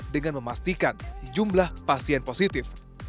dengan memastikan jumlah pasien positif